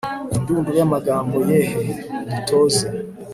indunduro y'amagambo yehe, dutoze